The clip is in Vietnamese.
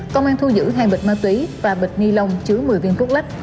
công an thu giữ hai bịch ma túy và bịch ni lông chứa một mươi viên quốc lách